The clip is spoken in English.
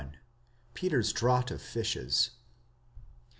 PETER'S DRAUGHT OF FISHES.